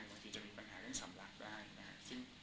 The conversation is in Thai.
มันก็จะมีปัญหาเรื่องสำหรับได้